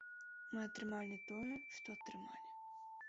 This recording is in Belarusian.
Мы атрымалі тое, што атрымалі.